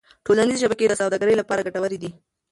ټولنيزې شبکې د سوداګرۍ لپاره ګټورې دي.